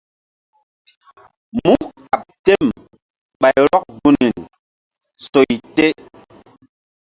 Mú kqɓ tem ɓay rɔk gunri soy te.